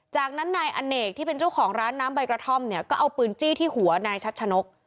จากนั้นนายอเนกที่เป็นเจ้าของร้านน้ำใบกระท่อมเนี่ยก็เอาปืนจี้ที่หัวนายชัดชะนก